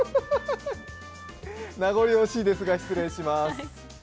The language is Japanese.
名残惜しいですが、失礼します。